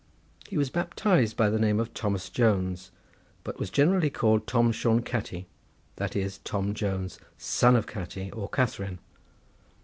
He was baptised by the name of Thomas Jones, but was generally called Tom Shone Catti, that is Tom Jones, son of Catti, or Catharine.